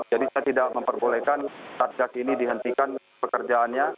jadi saya tidak memperbolehkan saat saat ini dihentikan pekerjaannya